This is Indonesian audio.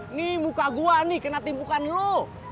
ini muka gue nih kena timpukan lo